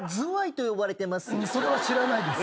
それは知らないです。